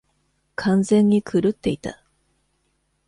完全に狂っていた。